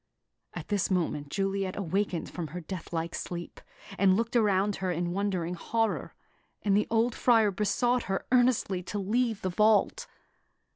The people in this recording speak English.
At this moment, Juliet awakened from her death like sleep, and looked around her in wondering horror; and the old Friar besought her earnestly to leave the vault.